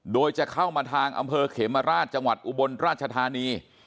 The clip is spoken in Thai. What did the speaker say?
โดยจะเข้ามาทางอำเภอเขมราชจังหวัดอุบลราชธานี